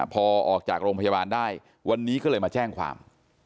พอออกจากโรงพยาบาลได้วันนี้ก็เลยมาแจ้งความ